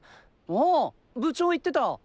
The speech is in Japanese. あ部長言ってた！